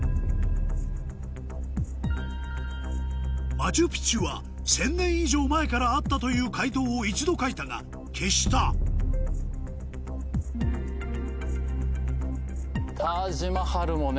「マチュ・ピチュは１０００年以上前からあった」という解答を一度書いたが消した「タージ・マハル」もね